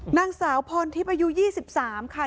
หนังสาวพรที่ประอยู๒๓ค่ะ